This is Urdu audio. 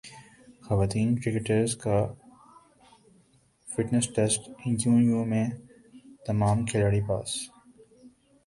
خواتین کرکٹرز کا فٹنس ٹیسٹ یو یو میں تمام کھلاڑی پاس